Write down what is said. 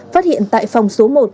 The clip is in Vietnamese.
phát hiện tại phòng số một